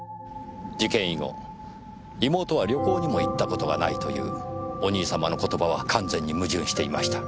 事件以後妹は旅行にも行った事がないというお兄様の言葉は完全に矛盾していました。